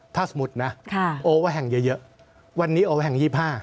ถ้าสมมุตินะโอว่าแห่งเยอะวันนี้โอแห่ง๒๕